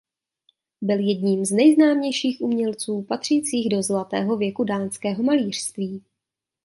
Byl jedním z nejznámějších umělců patřících do zlatého věku dánského malířství.